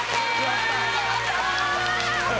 やったー！